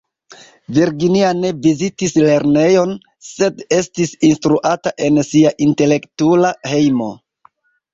Virginia ne vizitis lernejon, sed estis instruata en sia intelektula hejmo.